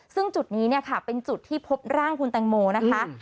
ซึ่งจุดนี้เนี่ยค่ะเป็นจุดที่พบร่างคุณแตงโมนะคะ